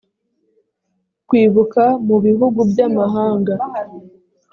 kwibuka mu bihugu by amahanga